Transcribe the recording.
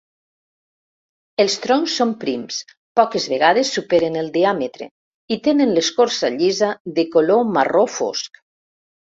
Els troncs són prims, poques vegades superen el diàmetre, i tenen l'escorça llisa de color marró fosc.